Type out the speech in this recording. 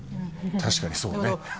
確かにそうね。